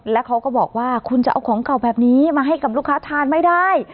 แล้วเขาก็บอกว่าคุณจะเอาของเก่าแบบนี้มาให้กับลูกค้าทานไม่ได้